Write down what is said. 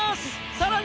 さらに。